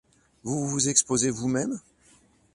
vous vous exposez vous-même ?…